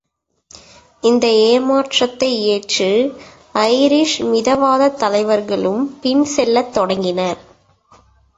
இந்த ஏமாற்றை ஏற்று ஐரிஷ் மிதவாதத்தலைவர்களும் பின்செல்லத் தொடங்கினர்.